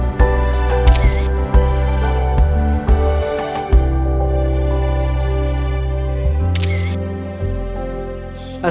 satu dua tiga